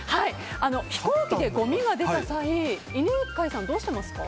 飛行機でごみが出た際、犬飼さんどうしていますか？